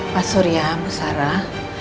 pak surya bu sarah